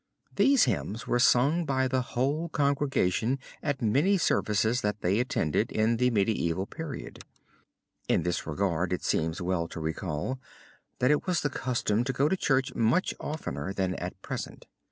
These hymns were sung by the whole congregation at the many services that they attended in the medieval period. In this regard it seems well to recall, that it was the custom to go to church much oftener then than at present.